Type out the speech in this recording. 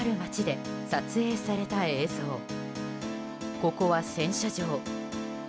ここは洗車場。